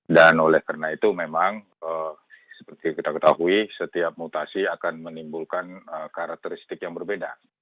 dan oleh karena itu memang seperti kita ketahui setiap mutasi akan menimbulkan karakteristik yang berbeda